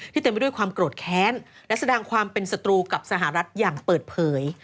เต็มไปด้วยความโกรธแค้นและแสดงความเป็นศัตรูกับสหรัฐอย่างเปิดเผย